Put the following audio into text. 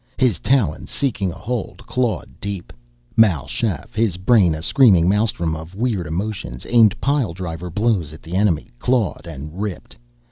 His talons, seeking a hold, clawed deep. Mal Shaff, his brain a screaming maelstrom of weird emotions, aimed pile driver blows at the enemy, clawed and ripped.